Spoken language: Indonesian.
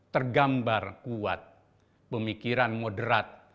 tergambar kuat pemikiran moderat